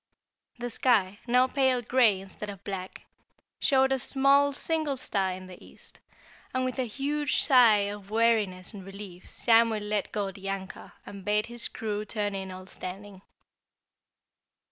The sky, now pale grey instead of black, showed a small single star in the east, and with a huge sigh of weariness and relief Samuel let go the anchor and bade his crew turn in all standing.